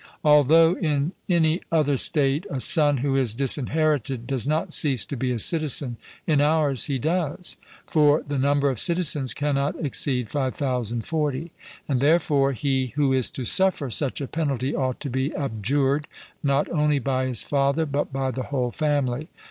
Although in any other state a son who is disinherited does not cease to be a citizen, in ours he does; for the number of citizens cannot exceed 5040. And therefore he who is to suffer such a penalty ought to be abjured, not only by his father, but by the whole family.